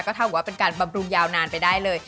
เท่ากับว่าเป็นการบำรุงยาวนานไปได้เลย